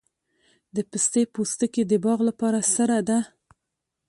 د پستې پوستکي د باغ لپاره سره ده؟